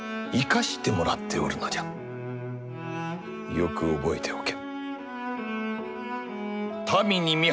よく覚えておけ。